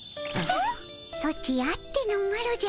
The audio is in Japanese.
ソチあってのマロじゃ。